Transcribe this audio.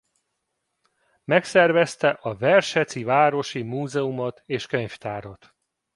Megszervezte a verseci városi múzeumot és könyvtárat.